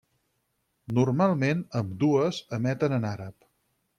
Normalment ambdues emeten en àrab.